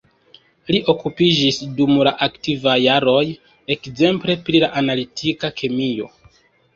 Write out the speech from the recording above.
Li okupiĝis dum la aktivaj jaroj ekzemple pri la analitika kemio.